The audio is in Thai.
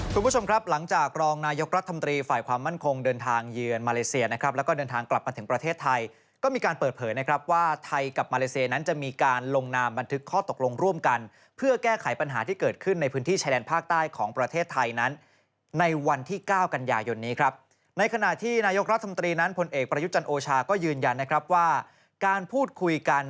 คุณผู้ชมครับหลังจากรองนายกรัฐธรรมตรีฝ่ายความมั่นคงเดินทางเยือนมาเลเซียนะครับแล้วก็เดินทางกลับมาถึงประเทศไทยก็มีการเปิดเผยนะครับว่าไทยกับมาเลเซียนั้นจะมีการลงนามบันทึกข้อตกลงร่วมกันเพื่อแก้ไขปัญหาที่เกิดขึ้นในพื้นที่ชายแดนภาคใต้ของประเทศไทยนั้นในวันที่เก้ากัน